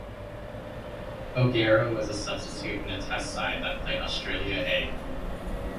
O'Gara was a substitute in the test side that played Australia A.